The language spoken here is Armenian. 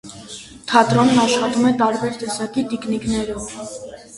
Թատրոնն աշխատում է տարբեր տեսակի տիկնիկներով։